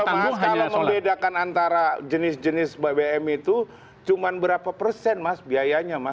kalau membedakan antara jenis jenis bbm itu cuma berapa persen biayanya